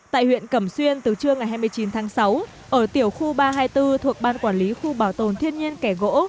tại huyện cẩm xuyên từ trưa ngày hai mươi chín tháng sáu ở tiểu khu ba trăm hai mươi bốn thuộc ban quản lý khu bảo tồn thiên nhiên kẻ gỗ